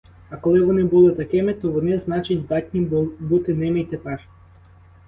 А коли вони були такими, то вони, значить, здатні бути ними й тепер.